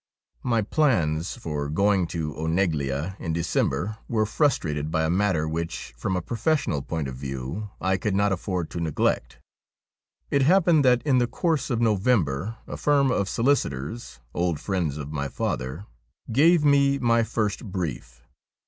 My plans for going to Oneglia in December were frustrated by a matter which, from a professional point of view, I could not afford to neglect. It happened that in the course of November a firm of solicitors — old friends of my father — gave me my first brief.